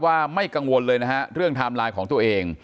ว่าไม่กังวลเลยนะฮะเรื่องไทม์ไลน์ของตัวเอง